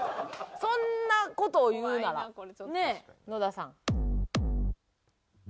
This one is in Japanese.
そんな事を言うならねえ野田さん。